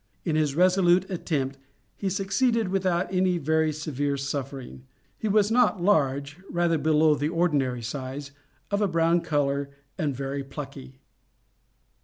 In his resolute attempt he succeeded without any very severe suffering. He was not large, rather below the ordinary size, of a brown color, and very plucky.